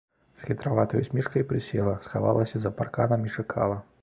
З хітраватай усмешкай прысела, схавалася за парканам і чакала.